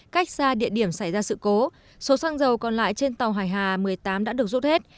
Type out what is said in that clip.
cách xa địa điểm xảy ra sự cố số xăng dầu còn lại trên tàu hải hà một mươi tám đã được rút hết